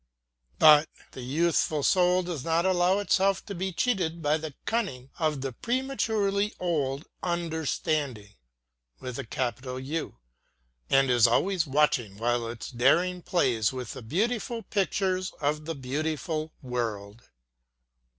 But the youthful soul does not allow itself to be cheated by the cunning of the prematurely old Understanding, and is always watching while its darling plays with the beautiful pictures of the beautiful world.